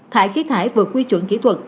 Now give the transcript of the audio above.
thải khí thải vượt quy chuẩn kỹ thuật